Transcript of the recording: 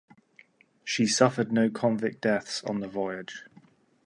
She suffered no convict deaths on the voyage.